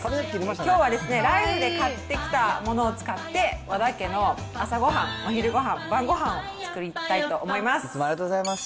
きょうはライフで買ってきたものを使って、和田家の朝ごはん、お昼ごはん、晩ごはんを作りたいと思います。